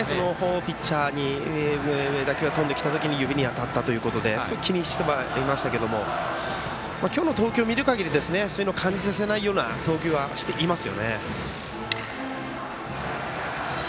ピッチャーに打球が飛んできたときに指に当たったということで少し気にしていましたけれども今日の投球、見るかぎりはそういうのを感じさせないような投球はしています。